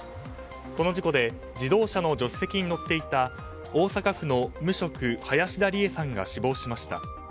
この事故で自動車の助手席に乗っていた大阪府の無職林田理恵さんが死亡しました。